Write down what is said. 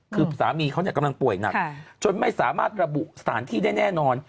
คือสามีเขากำลังป่วยหนักจนไม่สามารถระบุสถานที่ได้แน่นอน